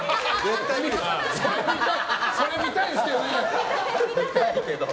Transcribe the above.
それ見たいですけどね。